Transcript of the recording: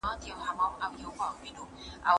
خو په بل جهان کی ستر قوي پوځونه